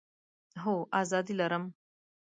هو، آزادي لرم